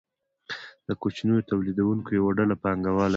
د کوچنیو تولیدونکو یوه ډله پانګواله شوه.